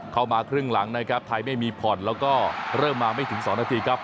เข้ามาครึ่งหลังนะครับไทยไม่มีผ่อนแล้วก็เริ่มมาไม่ถึง๒นาทีครับ